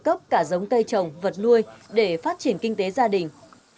anh được cấp cả giống cây trồng vật nuôi để phát triển kinh tế gia đình